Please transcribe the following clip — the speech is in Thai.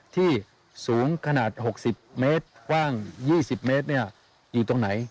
ที่สูงขนาด๖๐เมตรกว้าง๒๐เมตรอยู่ตรงไหน